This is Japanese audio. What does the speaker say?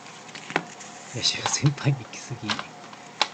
野獣先輩イキスギ